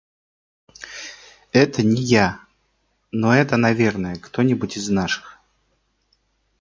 – Это не я. Но это, наверное, кто-нибудь из наших.